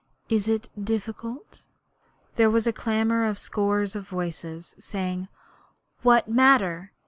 Is it difficult?' There was a clamour of scores of voices, saying: 'What matter?